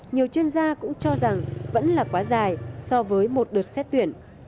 nhiều chuyên gia cũng cho rằng vẫn là quá dài so với một đợt xét tuyển